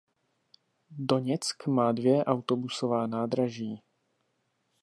Doněck má dvě autobusová nádraží.